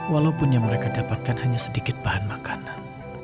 walaupun yang mereka dapatkan hanya sedikit bahan makanan